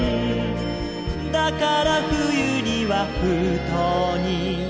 「だから冬には封筒に」